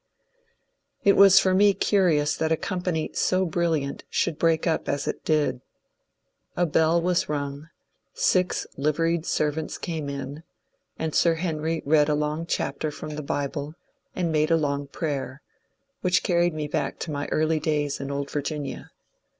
It was for me curious that a company so brilliant should break up as it did: a bell was rung, six liveried servants came in, and Sir Henry read a long chapter from the Bible and made a long prayer, — which carried me back to my early days in old Virginia.